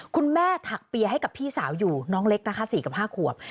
คุณแม่ถักเปียให้กับพี่สาวอยู่น้องเล็กนะคะ๔กับ๕ขวบ